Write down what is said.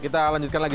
kita lanjutkan lagi